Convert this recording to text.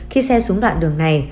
khi xe xuống đoạn đường này